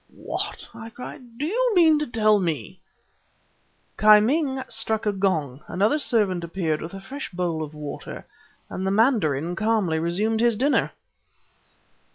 "What!" I cried, "do you mean to tell me " "Ki Ming struck a gong. Another servant appeared with a fresh bowl of water; and the mandarin calmly resumed his dinner!"